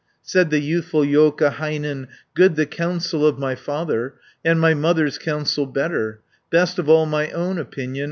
50 Said the youthful Joukahainen, "Good the counsel of my father, And my mother's counsel better; Best of all my own opinion.